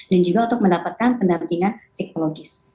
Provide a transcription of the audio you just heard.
dan juga untuk mendapatkan pendampingan psikologis